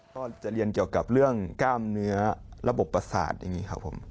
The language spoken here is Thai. ก็จะเรียนเกี่ยวกับเรื่องกล้ามเนื้อระบบประสาทอย่างนี้ครับผม